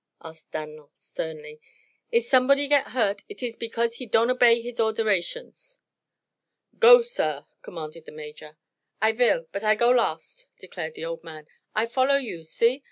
asked Dan'l, sternly. "If somebody gets hurt, it iss because he don'd obey de orderations." "Go, sir!" commanded the Major. "I vill; bud I go last," declared the old man. "I follow you see?